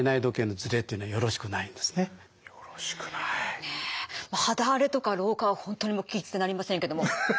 肌荒れとか老化は本当にもう聞き捨てなりませんけども。